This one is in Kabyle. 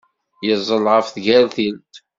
Yeẓẓel ɣef tgertilt.